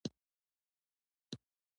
چې مخموره څوک د حق په ميکده شي